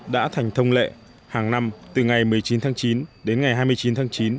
đã thành thông lệ hàng năm từ ngày một mươi chín tháng chín đến ngày hai mươi chín tháng chín